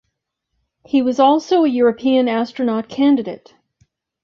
He was also a European astronaut candidate.